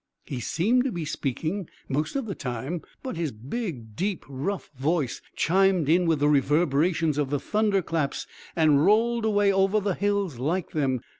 He seemed to be speaking, most of the time; but his big, deep, rough voice chimed in with the reverberations of the thunder claps, and rolled away over the hills, like them.